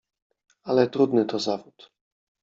Ale trudny to zawód.